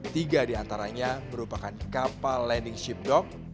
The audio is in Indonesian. tiga di antaranya merupakan kapal landing ship dock